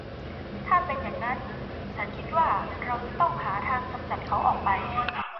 ถ้าเป็นอย่างงั้น ฉันคิดว่าเราจะต้องหาทางกำจัดเขาออกไป